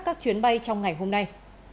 các chuyến bay trong ngày hôm nay